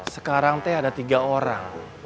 sekarang teh ada tiga orang